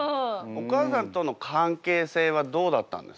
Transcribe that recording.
お母さんとの関係性はどうだったんですか？